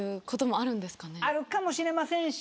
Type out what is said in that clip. あるかもしれませんし。